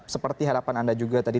seperti harapan anda juga tadi